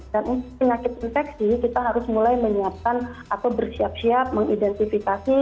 penyakit infeksi kita harus mulai menyiapkan atau bersiap siap mengidentifikasi